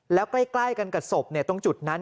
แล้วใกล้กันกับศพตรงจุดนั้น